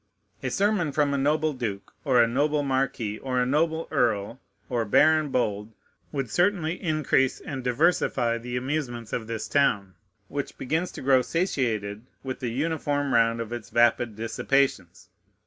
A sermon from a noble duke, or a noble marquis, or a noble earl, or baron bold, would certainly increase and diversify the amusements of this town, which begins to grow satiated with the uniform round of its vapid dissipations.